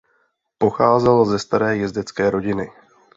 Pocházel ze staré jezdecké rodiny.